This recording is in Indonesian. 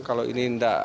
kalau ini tidak